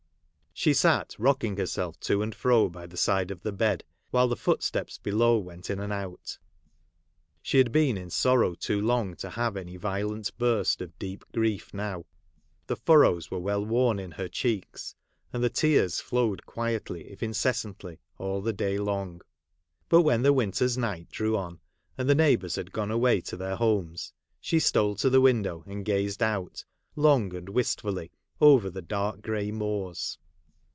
She sat rocking herself to and fro by the side of the bed, while the footsteps below went in and out ; she had been in sorrow too long to have any violent burst of deep grief now ; the furrows were well worn in her cheeks, and the tears flowed qiiietly, if inces santly, all the day long. But when the winter's night drew on, and the neighbours had gone away to their homes, she stole to the window, and gazed out, long and wist fully, over the dark grey moors.